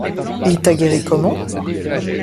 Et t'as guéri comment?